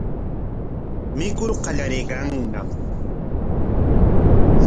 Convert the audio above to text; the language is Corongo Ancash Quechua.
Mikur qallariykanñam.